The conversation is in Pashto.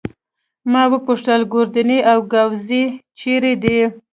ما وپوښتل: ګوردیني او ګاووزي چيري دي؟